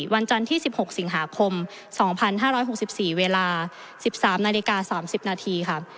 วันจันทร์ที่๑๖สิงหาคม๒๕๖๔เวลา๑๓นาฬิกา๓๐นาทีค่ะ